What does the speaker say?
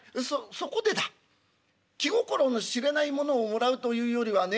そこでだ気心の知れない者をもらうというよりはね